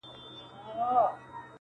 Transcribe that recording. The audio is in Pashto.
هندو ژړل پياز ئې خوړل.